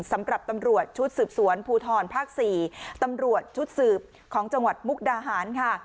สำหรับตำรวจชุดสืบสวนภูทรภาค๔ตำรวจชุดสืบของจังหวัดมุกดาหารค่ะ